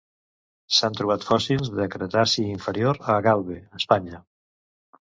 S"han trobat fòssils del cretaci inferior a Galve, Espanya.